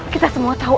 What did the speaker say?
kita semua tahu